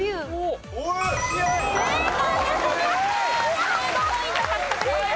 １５ポイント獲得です。